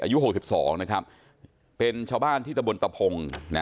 อายุหกสิบสองนะครับเป็นชาวบ้านที่ตะบนตะพงนะ